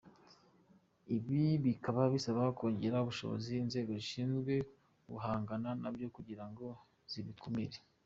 I bi bikaba bisaba kongerera ubushobozi inzego zishinzwe guhangana nabyo kugira ngo zibikumire.